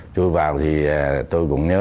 chui vào thì tôi cũng nhớ